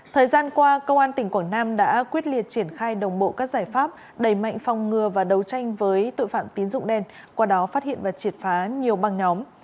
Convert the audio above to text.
thời gian qua công an tỉnh quảng nam đã quyết liệt triển khai đồng bộ các giải pháp đẩy mạnh phòng ngừa và đấu tranh với tội phạm tín dụng đen qua đó phát hiện và triệt phá nhiều băng nhóm